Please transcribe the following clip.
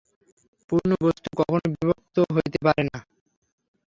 পূর্ণ বস্তু কখনও বিভক্ত হইতে পারে না।